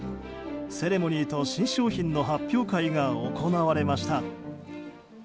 セレモニーと新商品の発表会が行われました。